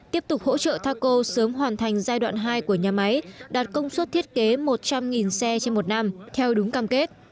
tiếp tục hỗ trợ taco sớm hoàn thành giai đoạn hai của nhà máy đạt công suất thiết kế một trăm linh xe trên một năm theo đúng cam kết